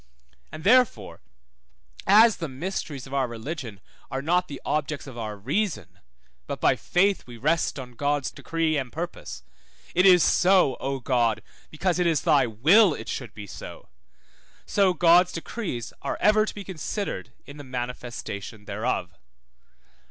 And therefore, as the mysteries of our religion are not the objects of our reason, but by faith we rest on God's decree and purpose (it is so, O God, because it is thy will it should be so) so God's decrees are ever to be considered in the manifestation thereof.